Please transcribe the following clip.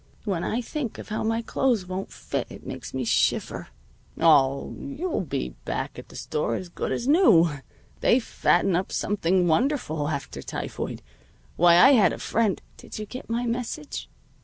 When I think of how my clothes won't fit it makes me shiver." "Oh, you'll soon be back at the store as good as new. They fatten up something wonderful after typhoid. Why, I had a friend " "Did you get my message?"